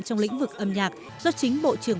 trong lĩnh vực âm nhạc do chính bộ trưởng